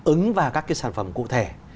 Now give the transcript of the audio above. ứng vào các cái sản phẩm cụ thể